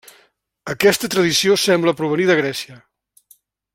Aquesta tradició sembla provenir de Grècia.